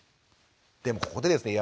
でもここでですね